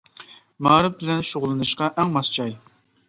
مائارىپ بىلەن شۇغۇللىنىشقا ئەڭ ماس جاي.